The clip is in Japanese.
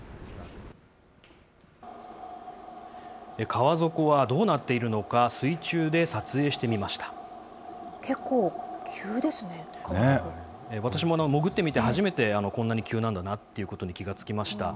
川底はどうなっているのか、結構、急ですね、私も潜ってみて、初めてこんなに急なんだなということに気が付きました。